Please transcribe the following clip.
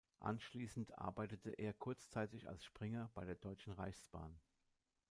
Anschließend arbeitete er kurzzeitig als Springer bei der Deutschen Reichsbahn.